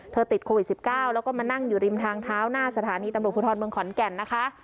ติดโควิด๑๙แล้วก็มานั่งอยู่ริมทางเท้าหน้าสถานีตำรวจภูทรเมืองขอนแก่นนะคะ